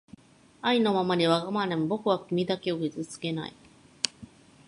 あいのままにわがままにぼくはきみだけをきずつけない